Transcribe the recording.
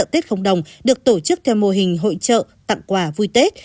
tết không đồng được tổ chức theo mô hình hội trợ tặng quà vui tết